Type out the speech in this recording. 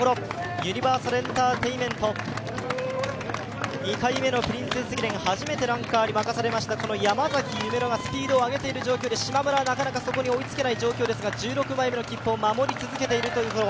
ユニバーサルエンターテインメント、２回目のプリンセス駅伝、初めてのアンカーに任されました山崎夢乃がスピードを上げている状況で、しまむらはなかなかそこに追いつけない状況ですが１６枚目の切符を守り続けているというところ。